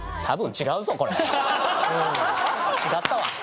違ったわ。